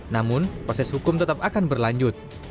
namun proses hukum tetap akan berlanjut